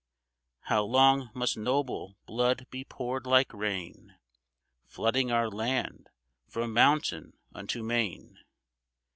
How long must noble blood be poured like rain, Flooding our land from mountain unto main